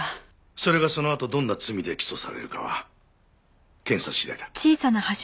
それがそのあとどんな罪で起訴されるかは検察次第だ。